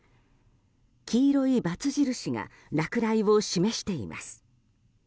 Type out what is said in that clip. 黄色いバツ印が落雷を示しています。